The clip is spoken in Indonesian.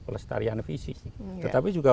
pelestarian fisik tetapi juga